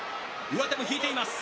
上手も引いています。